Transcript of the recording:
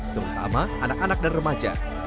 terutama anak anak dan remaja